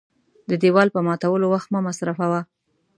د دېوال په ماتولو وخت مه مصرفوه .